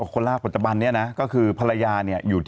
คนล่าปัจจบันเนี่ยนะก็คือภาระยาเนี่ย